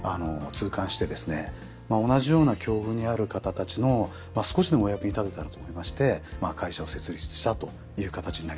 同じような境遇にある方たちの少しでもお役に立てたらと思いまして会社を設立したという形になります。